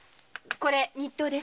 これ日当です。